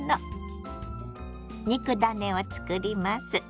肉ダネを作ります。